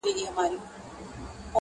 که ګناه درڅخه صادره سوې ده.